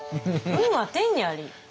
「運は天にあり」。